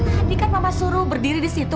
tadi kan mama suruh berdiri di situ